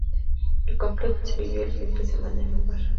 El "complot" se vivió el fin de semana en un bar.